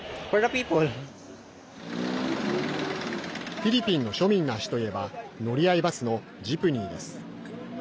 フィリピンの庶民の足といえば乗り合いバスのジプニーです。